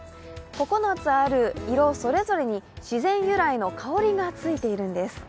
９つある色それぞれに自然由来の香りがついているんです。